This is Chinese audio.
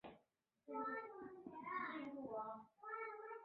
是海河下游重要的跨海河通道之一。